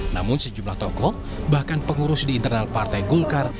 namun sejumlah tokoh bahkan pengurus di internal partai golkar